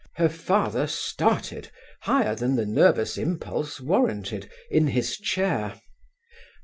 Her father started higher than the nervous impulse warranted in his chair.